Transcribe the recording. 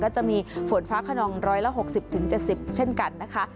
ก็จะมีฝนฟ้าขนองร้อยละ๖๐๗๐เช่นกันนะคะ